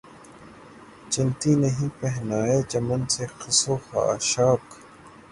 چنتی نہیں پہنائے چمن سے خس و خاشاک